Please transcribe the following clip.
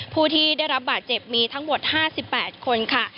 ผู้ที่ได้รับบาดเจ็บมีทั้งหมด๕๘คนค่ะ